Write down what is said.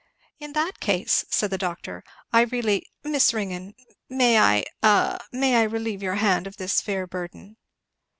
"In that case," said the doctor, "I really Miss Ringgan, may I a may I relieve your hand of this fair burden?"